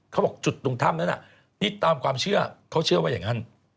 เขาบอกจุดตรงถ้ำนั้นน่ะนี่ตามความเชื่อเขาเชื่อว่าอย่างนั้น